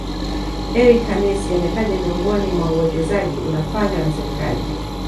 Eric Hamisi ametaja miongoni mwa uwekezaji unafanywa na Serikali